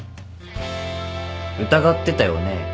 疑ってたよね？